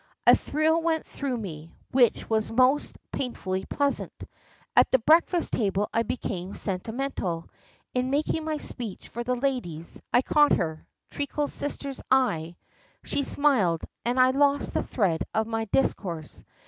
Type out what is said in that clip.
A thrill went through me, which was most painfully pleasant. At the breakfast table I became sentimental; in making my speech for the ladies, I caught her Treacle's sister's eye, she smiled, and I lost the thread of my discourse.